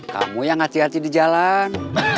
kamu yang hati hati di jalan